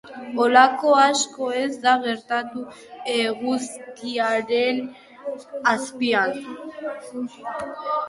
Holako asko ez da gertatu eguzkiaren azpian.